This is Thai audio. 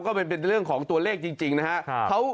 ก็เป็นเรื่องของตัวเลขจริงนะครับ